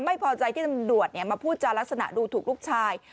ไม่พอใจที่ตำรวจมาพูดจารักษณะดูถูกลูกชาย